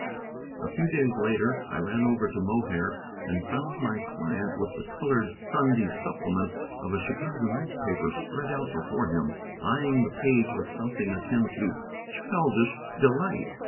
A few days later I ran over to Mohair and found my client with the colored Sunday supplement of a Chicago newspaper spread out before him, eyeing the page with something akin to childish delight.